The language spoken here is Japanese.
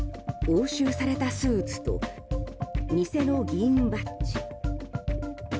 押収されたスーツと偽の議員バッジ。